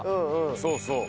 そうそう。